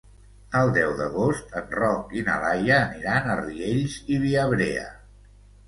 El deu d'agost en Roc i na Laia aniran a Riells i Viabrea.